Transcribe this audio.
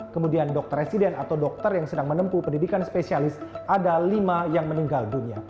kemudian dokter residen atau dokter yang sedang menempuh pendidikan spesialis ada lima yang meninggal dunia